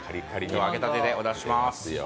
揚げたてでお出しします。